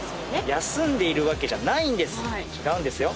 休んでいるわけじゃないんです、違うんですよ。